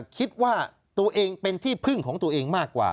คิดว่าตัวเองเป็นที่พึ่งของตัวเองมากกว่า